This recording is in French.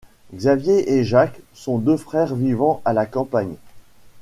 Xavier et Jacques sont deux frères vivant à la campagne.